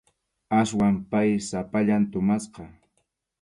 Aswan pay sapallan tumasqa.